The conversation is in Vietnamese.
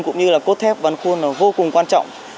cũng như là cốt thép văn khuôn là vô cùng quan trọng